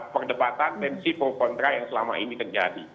perdebatan tensi pro kontra yang selama ini terjadi